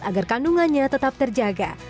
agar kandungannya tetap terjaga